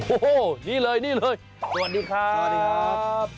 โอ้โหนี่เลยสวัสดีครับ